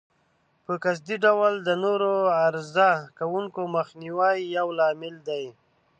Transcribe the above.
په قصدي ډول د نورو عرضه کوونکو مخنیوی یو لامل دی.